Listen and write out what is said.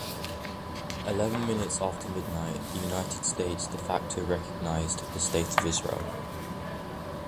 Eleven minutes after midnight, the United States "de facto" recognized the State of Israel.